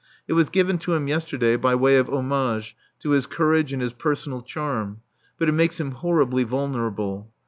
It was given to him yesterday by way of homage to his courage and his personal charm. But it makes him horribly vulnerable.